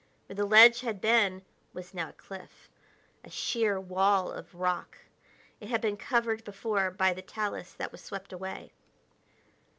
Where the ledge had been was now a cliff a sheer wall of rock. It had been covered before by the talus that was swept away.